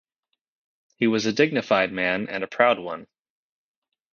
He was a dignified man and a proud one.